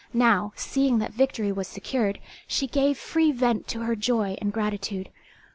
Now, seeing that victory was secured, she gave free vent to her joy and gratitude.